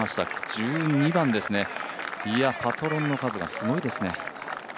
１２番ですね、いやパトロンの数がすごいですね。